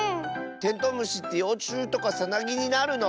テントウムシってようちゅうとかさなぎになるの？